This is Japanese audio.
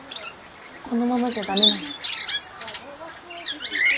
このままじゃダメなの？